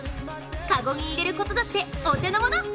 かごに入れることだってお手のもの！